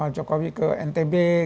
karena ya kemarin kantong kantong itu